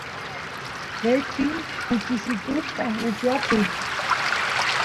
lechi kuchisituspaq upiyapuy